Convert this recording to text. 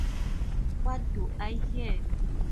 What do I hear?